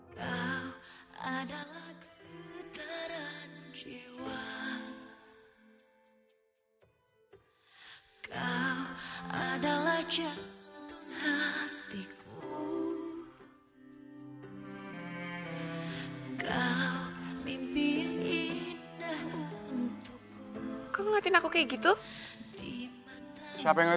tapi kalau lamanya dia mulai gagal ya